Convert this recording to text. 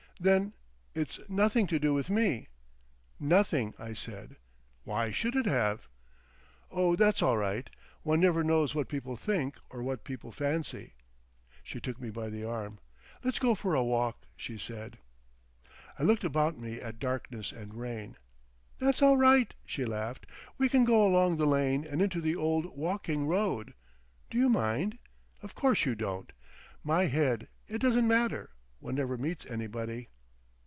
"Then, it's nothing to do with me?" "Nothing," I said. "Why should it have?" "Oh, that's all right. One never knows what people think or what people fancy." She took me by the arm, "Let's go for a walk," she said. I looked about me at darkness and rain. "That's all right," she laughed. "We can go along the lane and into the Old Woking Road. Do you mind? Of course you don't. My head. It doesn't matter. One never meets anybody."